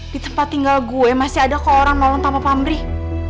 di tempat tinggal gue masih ada kok orang mau tanpa pamrih